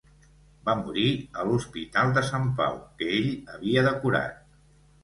Va morir a l'Hospital de Sant Pau que ell havia decorat.